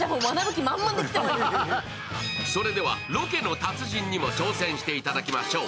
それでは、ロケの達人にも挑戦していただきましょう。